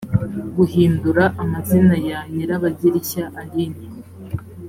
guhindura amazina ya nyirabagirishya aline